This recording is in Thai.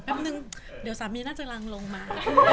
แป๊บนึงเดี๋ยวสามีน่าจะรังลงมา